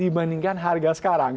dibandingkan harga sekarang